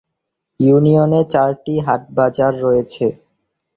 ইউনিয়নে চারটি হাট-বাজার রয়েছে।